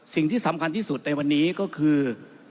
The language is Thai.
สิ่งที่สำคัญที่สุดในวันนี้ก็คือ